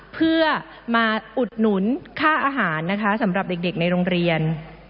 เพื่อมาอุดหนุนค่าอาหารนะคะสำหรับเด็กในโรงเรียน